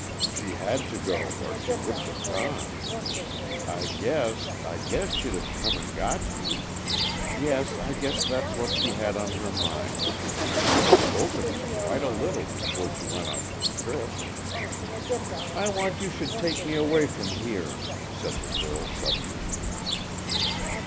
She had to go, or she wouldn't 've gone. I guess I guess she'd 've come and got you. Yes, I guess that's what she had on her mind. She spoke of you quite a little before she went on her trip." "I want you should take me away from here," said the girl suddenly.